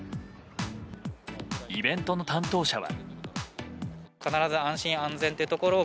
イベントの担当者は。